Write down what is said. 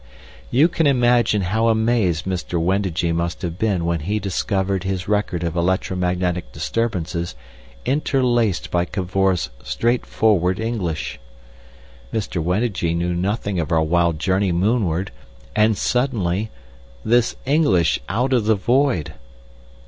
You can imagine how amazed Mr. Wendigee must have been when he discovered his record of electromagnetic disturbances interlaced by Cavor's straightforward English. Mr. Wendigee knew nothing of our wild journey moonward, and suddenly—this English out of the void!